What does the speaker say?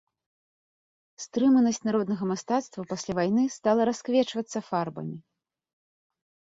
Стрыманасць народнага мастацтва пасля вайны стала расквечвацца фарбамі.